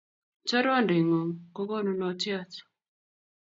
Choruandit ng'uung ko konunotiot